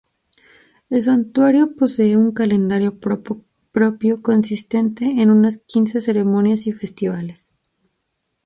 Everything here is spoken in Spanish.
El santuario posee un calendario propio consistente en unas quince ceremonias y festivales.